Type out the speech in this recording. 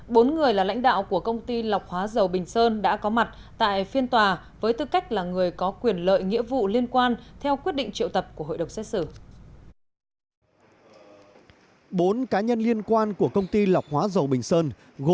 bốn người là lãnh đạo của công ty lọc hóa dầu bình sơn đã có mặt tại phiên tòa với tư cách là người có quyền lợi nghĩa vụ liên quan theo quyết định triệu tập của hội đồng xét xử